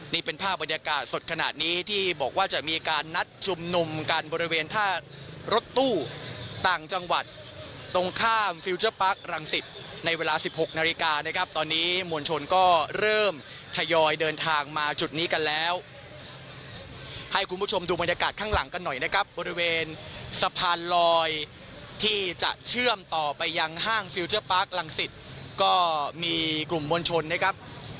นี่เป็นภาพบรรยากาศสดขนาดนี้ที่บอกว่าจะมีการนัดชุมนุมกันบริเวณท่ารถตู้ต่างจังหวัดตรงข้ามฟิลเจอร์ปาร์ครังสิตในเวลาสิบหกนาฬิกานะครับตอนนี้มวลชนก็เริ่มทยอยเดินทางมาจุดนี้กันแล้วให้คุณผู้ชมดูบรรยากาศข้างหลังกันหน่อยนะครับบริเวณสะพานลอยที่จะเชื่อมต่อไปยังห้างฟิลเจอร์ปาร์คลังศิษย์ก็มีกลุ่มมวลชนนะครับ